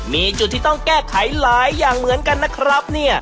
มีจุดที่ต้องแก้ไขหลายอย่างเหมือนกันนะครับเนี่ย